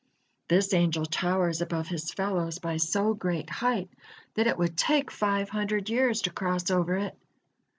This angel towers above his fellows by so great height, that it would take five hundred years to cross over it.